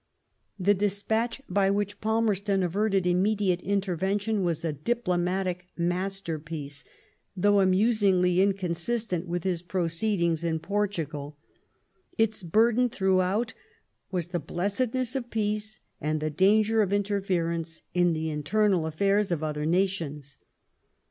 The despatch by which Palmerston averted immediate intervention was a diplomatic masterpiece, though amusingly inconsistent with his proceedings in Portugal, Its burden throughout was the blessedness of peace and the danger of interference in the internal affairs of other nations.